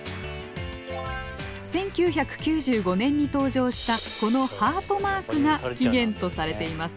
１９９５年に登場したこのハートマークが起源とされています。